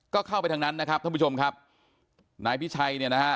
ก็เข้าไปทางนั้นนะครับท่านผู้ชมครับนายพิชัยเนี่ยนะฮะ